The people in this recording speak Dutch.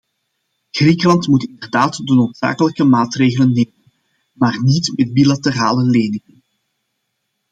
Griekenland moet inderdaad de noodzakelijke maatregelen nemen, maar niet met bilaterale leningen.